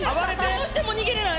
どうしても逃げれない！